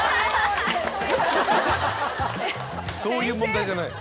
そういう問題じゃない。